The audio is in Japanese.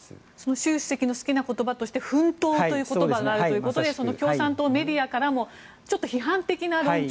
習主席の好きな言葉として奮闘という言葉があるということでその共産党メディアからもちょっと批判的な論調